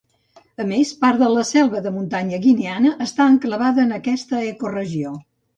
A més, part de la selva de muntanya guineana està enclavada en aquesta ecoregió.